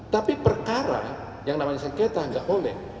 tapi perkara yang namanya sengketa nggak boleh